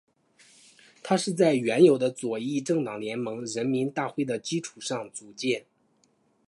它是在原有的左翼政党联盟人民大会的基础上组建。